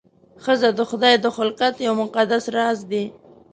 ښځه د خدای د خلقت یو مقدس راز دی.